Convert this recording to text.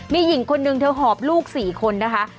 มีหญิงคนนึงเธอหอบลูก๔คนนะคะ